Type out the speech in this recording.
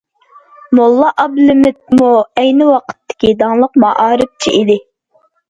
موللا ئابلىمىتمۇ ئەينى ۋاقىتتىكى داڭلىق مائارىپچى ئىدى.